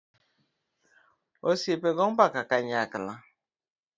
Osiepe go mbaka kanayakla